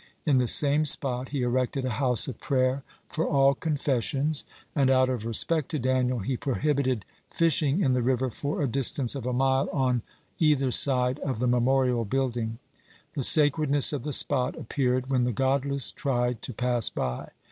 In the same spot he erected a house of prayer for all confessions, and out of respect to Daniel he prohibited fishing in the river for a distance of a mile on either side of the memorial building. (20) The sacredness of the spot appeared when the godless tried to pass by.